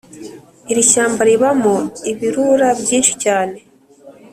Irishyamba ribamo ibirura byinshi cyane